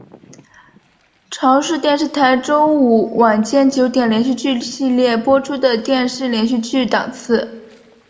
朝日电视台周五晚间九点连续剧系列播出的电视连续剧档次。